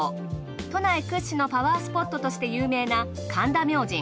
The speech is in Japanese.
都内屈指のパワースポットとして有名な神田明神。